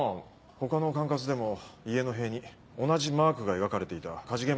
他の管轄でも家の塀に同じマークが描かれていた火事現場があることが分かった。